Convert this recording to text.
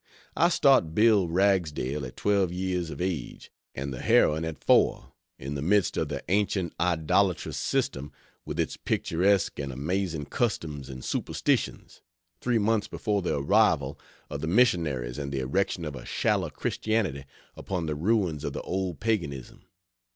I start Bill Ragsdale at 12 years of age, and the heroine at 4, in the midst of the ancient idolatrous system, with its picturesque and amazing customs and superstitions, 3 months before the arrival of the missionaries and the erection of a shallow Christianity upon the ruins of the old paganism.